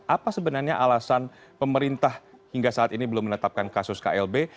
apa sebenarnya alasan pemerintah hingga saat ini belum menetapkan kasus klb